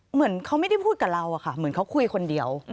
เหมือนเขาไม่ได้พูดกับเราอะค่ะเหมือนเขาคุยคนเดียว